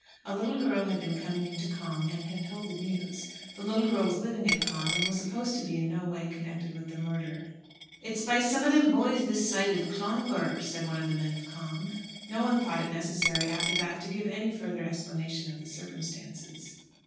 A little girl had been coming into Cong, and had told the news. The little girl was living at Cong, and was supposed to be in no way connected with the murder. "It's some of them boys this side of Clonbur," said one of the men of Cong. No one thought it necessary after that to give any further explanation of the circumstances.